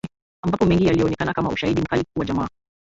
Ambapo mengi yalionekana kama ushaidi mkali kuwa jamaa